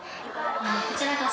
こちらが。